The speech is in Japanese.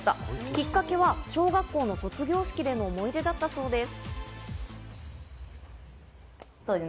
きっかけは小学校の卒業式での思い出だったそうです。